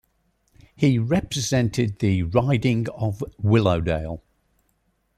He represented the riding of Willowdale.